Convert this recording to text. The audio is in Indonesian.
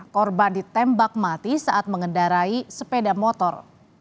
korban ditembak mati saat mengendarai sepeda motor